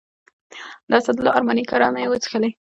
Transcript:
د اسدالله ارماني کره مې وڅښلې.